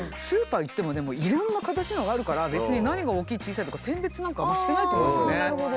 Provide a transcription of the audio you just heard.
スーパー行ってもねいろんな形のがあるから別に何が大きい小さいとか選別なんかあんまりしてないと思うんですよね。